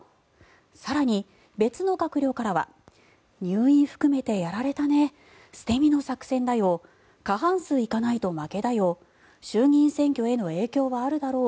更に、別の閣僚からは入院含めてやられたね捨て身の作戦だよ過半数行かないと負けだよ衆議院選挙への影響はあるだろう